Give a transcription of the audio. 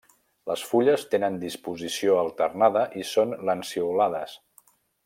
Les fulles tenen disposició alternada i són lanceolades.